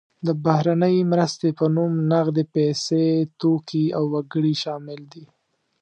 د بهرنۍ مرستې په نوم نغدې پیسې، توکي او وګړي شامل دي.